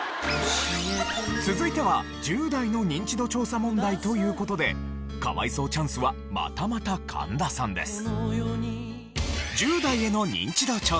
続いては１０代のニンチド調査問題という事で可哀想チャンスはまたまた神田さんです。